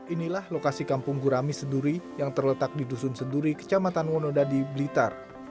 inilah lokasi kampung gurami senduri yang terletak di dusun senduri kecamatan wonoda di blitar